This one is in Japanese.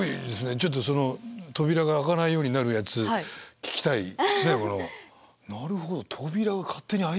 ちょっとその扉が開かないようになるやつ聞きたいですね。